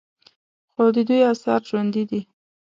خو د دوی آثار ژوندي دي